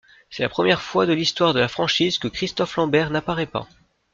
C'est la première fois de l'histoire de la franchise que Christophe Lambert n'apparaît pas.